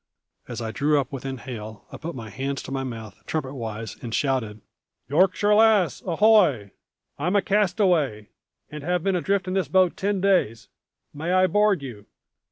As I drew up within hail I put my hands to my mouth, trumpet wise, and shouted: "Yorkshire Lass ahoy! I am a castaway, and have been adrift in this boat ten days. May I board you?"